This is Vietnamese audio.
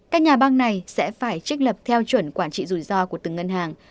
các nhà băng này sẽ phải trích lập theo chuẩn quản trị rủi ro của từng ngân hàng